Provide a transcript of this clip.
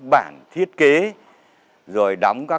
kết xét về kiểm tra